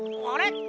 あれ？